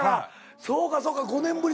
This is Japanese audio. そうかそうか５年ぶり。